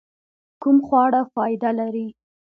کوم خواړه فائده لري؟